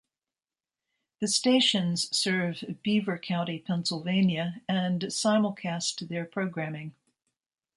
The stations serve Beaver County, Pennsylvania and simulcast their programming.